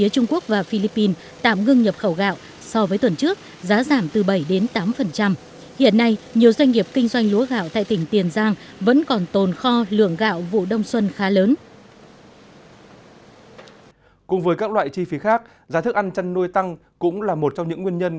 cùng với các loại chi phí khác giá thức ăn chăn nuôi tăng cũng là một trong những nguyên nhân